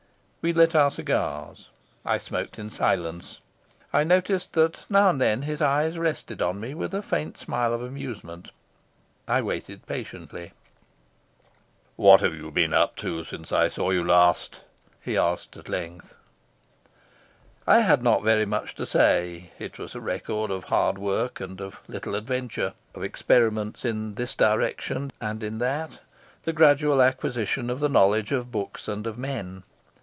We lit our cigars. I smoked in silence. I noticed that now and then his eyes rested on me with a faint smile of amusement. I waited patiently. "What have you been up to since I saw you last?" he asked at length. I had not very much to say. It was a record of hard work and of little adventure; of experiments in this direction and in that; of the gradual acquisition of the knowledge of books and of men.